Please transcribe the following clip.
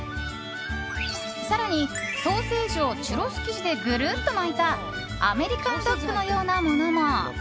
更に、ソーセージをチュロス生地でぐるっと巻いたアメリカンドッグのようなものも。